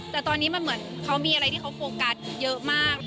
แต่ตอนนี้มันเหมือนเขามีอะไรที่เขาโฟกัสเยอะมาก